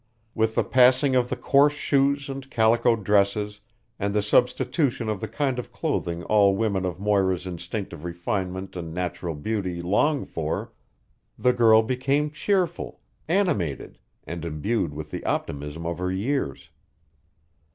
With the passing of the coarse shoes and calico dresses and the substitution of the kind of clothing all women of Moira's instinctive refinement and natural beauty long for, the girl became cheerful, animated, and imbued with the optimism of her years.